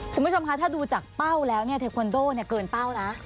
คุณผู้ชมคะถ้าดูจากเป้าแล้วเนี่ยเทควันโดเกินเป้านะ